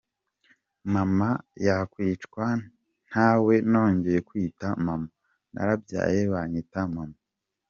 Mama yakwicwa ntawe nongeye kwita mama, narabyaye banyita mama.